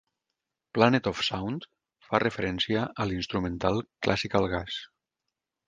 "Planet of Sound" fa referència a l'instrumental "Classical Gas".